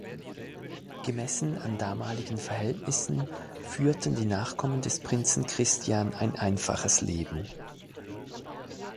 Gemessen an damaligen Verhältnissen führten die Nachkommen des Prinzen Christian ein einfaches Leben.